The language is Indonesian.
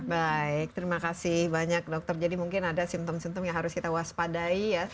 baik terima kasih banyak dokter jadi mungkin ada simptom simptom yang harus kita waspadai ya